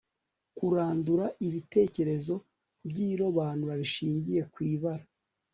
kurandura ibitekerezo by'irobanura rishingiye kw'ibara